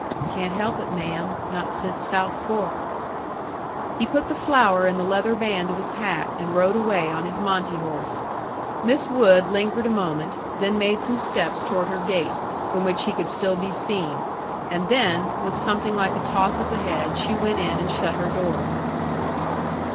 "Can't help it, ma'am. Not since South Fork." He put the flower in the leather band of his hat, and rode away on his Monte horse. Miss Wood lingered a moment, then made some steps toward her gate, from which he could still be seen; and then, with something like a toss of the head, she went in and shut her door.